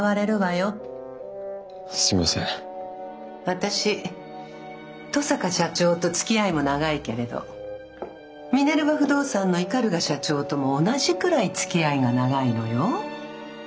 私登坂社長とつきあいも長いけれどミネルヴァ不動産の鵤社長とも同じくらいつきあいが長いのよ。